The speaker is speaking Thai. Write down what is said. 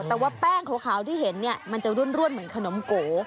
แต่ว่าแป้งขาวที่เห็นเนี่ยมันจะร่วนเหมือนขนมโก